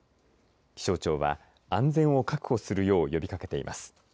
気象庁は安全を確保するよう呼びかけています。